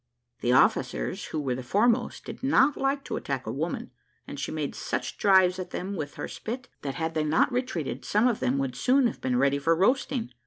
The officers, who were the foremost, did not like to attack a woman, and she made such drives at them with her spit, that had they not retreated, some of them would soon have been ready for roasting.